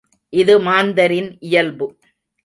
இது மாந்தரின் இயல்பு!